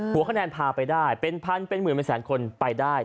หัวคะแนนพาไปได้เป็นพันเป็นหมื่นเป็นแสนคนไปได้